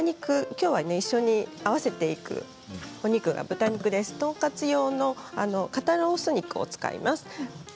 きょうは一緒に合わせていくお肉が豚肉でトンカツ用の肩ロース肉を使います。